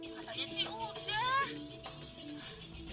sebenarnya fatima udah mati belum sih ma